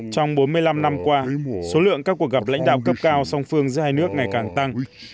trong bốn mươi năm năm qua số lượng các cuộc gặp lãnh đạo cấp cao song phương giữa hai nước ngày càng tăng